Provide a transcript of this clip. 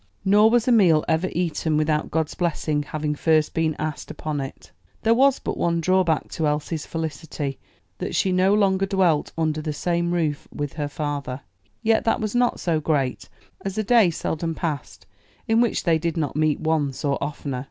Nor was a meal ever eaten without God's blessing having first been asked upon it. There was but one drawback to Elsie's felicity that she no longer dwelt under the same roof with her father; yet that was not so great, as a day seldom passed in which they did not meet once or oftener.